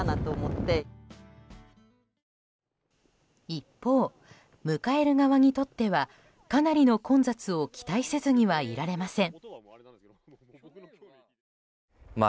一方、迎える側にとってはかなりの混雑を期待せずにはいられません。